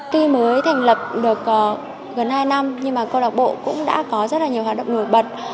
tuy mới thành lập được gần hai năm nhưng mà câu lạc bộ cũng đã có rất là nhiều hoạt động nổi bật